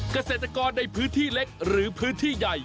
เกษตรกรในพื้นที่เล็กหรือพื้นที่ใหญ่